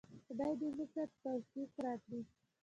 خدای دې موږ ته توفیق راکړي